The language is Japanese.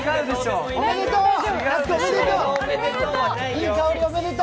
いい香りおめでとう。